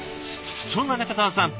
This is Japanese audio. そんな仲澤さん